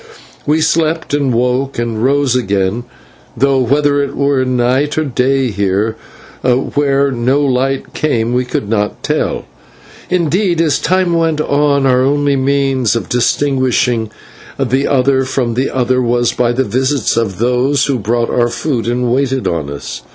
We slept, and woke, and rose again, though whether it was night or day here, where no light came, we could not tell; indeed, as time went on, our only means of distinguishing the one from the other was by the visits of those who brought our food and waited on us.